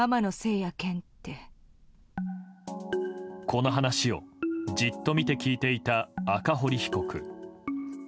この話をじっと見て聞いていた赤堀被告。